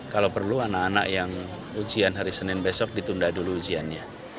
kalau perlu anak anak yang ujian hari senin besok ditunda dulu ujiannya